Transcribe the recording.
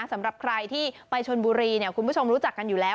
สำหรับใครที่ไปชนบุรีคุณผู้ชมรู้จักกันอยู่แล้ว